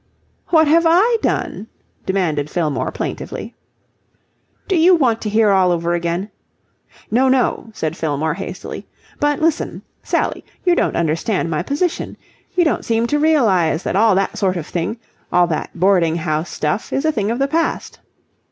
"What have I done?" demanded Fillmore plaintively. "Do you want to hear all over again?" "No, no," said Fillmore hastily. "But, listen, Sally, you don't understand my position. You don't seem to realize that all that sort of thing, all that boarding house stuff, is a thing of the past.